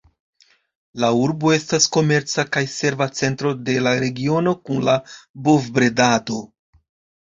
La urbo estas komerca kaj serva centro de la regiono kun la bov-bredado.